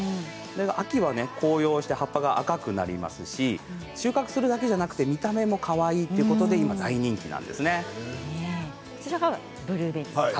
秋は紅葉して葉っぱが赤くなりますし収獲するだけじゃなく見た目もかわいいということでお隣です。